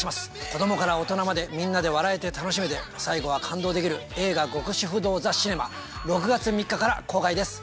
子どもから大人までみんなで笑えて楽しめて最後は感動できる映画『極主夫道ザ・シネマ』６月３日から公開です